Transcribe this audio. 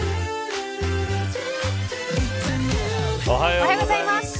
おはようございます。